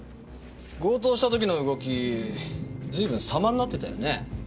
強盗した時の動きずいぶん様になってたよね。